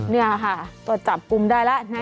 เนี่ยค่ะก็จับกุมได้ล่ะนะ